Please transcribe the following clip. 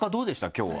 今日は。